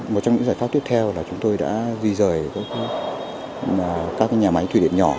một trong những giải pháp tiếp theo là chúng tôi đã di rời các nhà máy thủy điện nhỏ